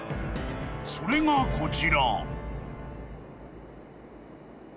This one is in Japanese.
［それがこちら］